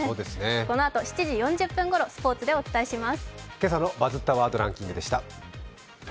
このあと７時４０分ごろ、スポーツでお伝えします。